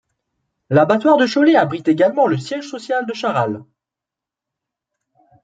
L'abattoir de Cholet abrite également le siège social de Charal.